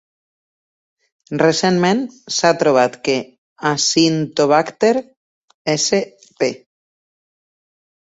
Recentment s'ha trobat que "Acinetobacter" sp.